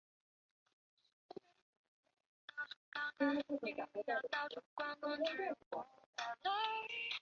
女子把一张写有西夏文字的布条交给赵行德。